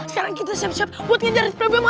sekarang kita siap siap buat ngejar drobemo